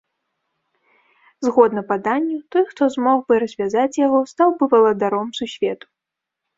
Згодна паданню, той, хто змог бы развязаць яго, стаў бы валадаром сусвету.